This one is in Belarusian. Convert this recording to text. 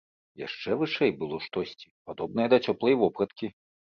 Яшчэ вышэй было штосьці, падобнае да цёплай вопраткі.